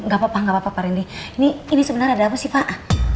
gapapa gapapa ini sebenarnya ada apa sih pak